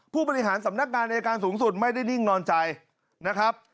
ผู้บริหารสำนักงานอายการสูงสุดไม่ได้นิ่งนอนใจนะครับ